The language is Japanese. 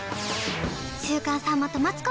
「週刊さんまとマツコ」